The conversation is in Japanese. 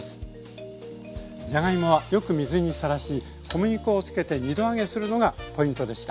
じゃがいもはよく水にさらし小麦粉をつけて２度揚げするのがポイントでした。